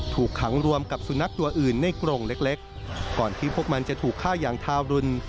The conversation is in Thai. ถูกขังรวมกับสุนัขตัวอื่นในกรงเล็กก่อนที่พวกมันจะถูกฆ่าอย่างทารุณ